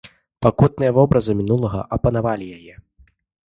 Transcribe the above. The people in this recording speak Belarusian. Пакутныя вобразы мінулага апанавалі яе.